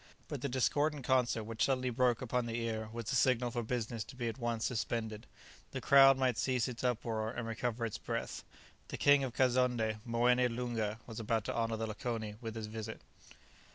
But the discordant concert which suddenly broke upon the ear was the signal for business to be at once suspended. The crowd might cease its uproar, and recover its breath. The King of Kazonndé, Moené Loonga, was about to honour the lakoni with a visit.